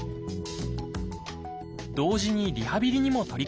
同時にリハビリにも取り組みました。